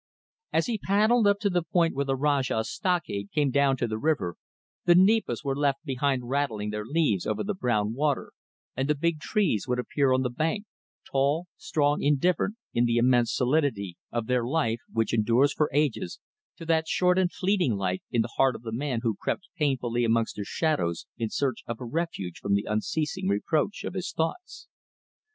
As he paddled up to the point where the Rajah's stockade came down to the river, the nipas were left behind rattling their leaves over the brown water, and the big trees would appear on the bank, tall, strong, indifferent in the immense solidity of their life, which endures for ages, to that short and fleeting life in the heart of the man who crept painfully amongst their shadows in search of a refuge from the unceasing reproach of his thoughts.